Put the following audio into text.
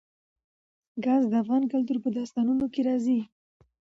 ګاز د افغان کلتور په داستانونو کې راځي.